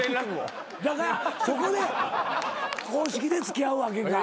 だからそこで公式で付き合うわけか。